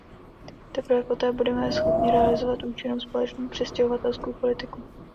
Teprve poté budeme schopni realizovat účinnou společnou přistěhovaleckou politiku.